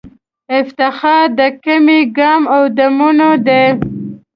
افتخار د کېمه ګام او د موڼی دی